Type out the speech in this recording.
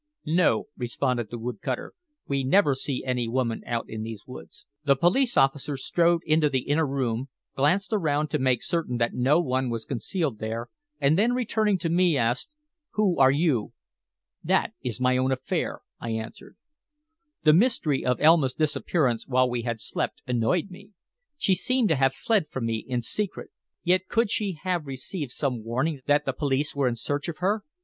"No," responded the wood cutter. "We never see any woman out in these woods." The police officer strode into the inner room, glanced around to make certain that no one was concealed there, and then returning to me asked, "Who are you?" "That is my own affair," I answered. The mystery of Elma's disappearance while we had slept annoyed me. She seemed to have fled from me in secret. Yet could she have received some warning that the police were in search of her?